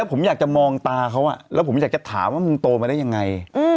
ครูนั่นก็ยืนกว่าแล้วก็เดินไป